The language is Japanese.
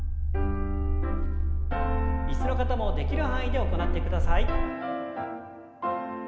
椅子の方もできる範囲で行ってください。